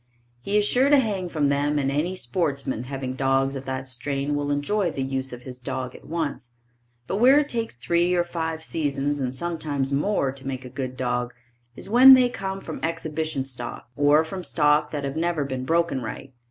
He is sure to hang from them and any sportsman having dogs of that strain will enjoy the use of his dog at once, but where it takes three or five seasons and sometimes more to make a good dog, is when they come from exhibition stock or from stock that have never been broken right.